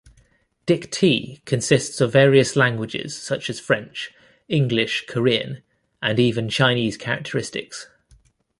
"Dictee" consistes of various languages such as French, English, Korean and even Chinese characteristics.